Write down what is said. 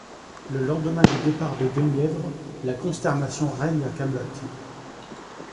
Le lendemain du départ de Guenièvre, la consternation règne à Kaamelott.